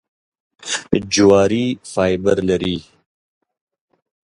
جواري فایبر لري .